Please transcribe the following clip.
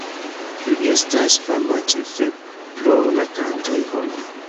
Li estas fama ĉefe pro la kantoj "Home!